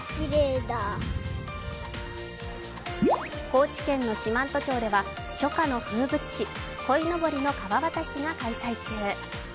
高知県の四万十町では初夏の風物詩こいのぼりの川渡しが開催中。